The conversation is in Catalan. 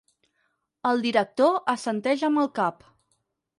El director assenteix am el cap.